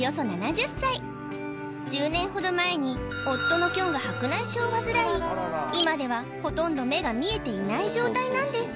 １０年ほど前に夫のキョンが白内障を患い今ではほとんど目が見えていない状態なんです